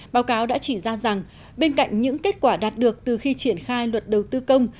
báo cáo đã chỉ ra rằng bên cạnh những kết quả đạt được từ khi triển khai luật đầu tư công